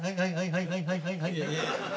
はいはいはいはい。